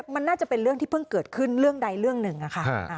มันน่าจะเป็นเรื่องที่เพิ่งเกิดขึ้นเรื่องใดเรื่องหนึ่งอะค่ะ